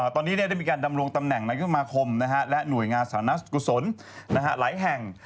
ตอนนี้ได้มีการดำรงตำแหน่งนายกมาคมและหน่วยงานสถานกุศลหลายแห่ง